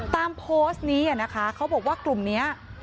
ตามโพสต์นี้นะคะเขาบอกว่ากลุ่มนี้